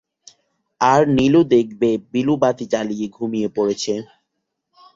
আর নীলু দেখবে-বিলু বাতি জ্বালিয়ে ঘুমিয়ে পড়েছে।